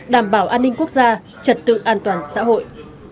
đảm bảo an ninh quốc gia trật tự an toàn xã hội